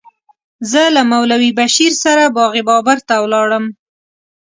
زه له مولوي بشیر سره باغ بابر ته ولاړم.